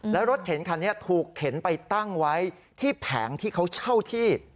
แล้วรถเข็นคันนี้ถูกเข็นไปตั้งไว้ที่แผงที่เขาเช่าที่